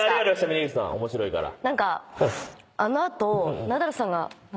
峯岸さん面白いから。